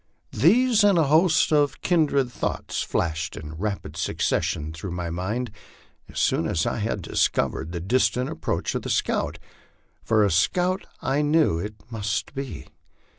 These and a host of kindred thoughts flashed in rapid succession through my mind as soon as I had discovered the distant approach of the scout, for a scout I knew it must be.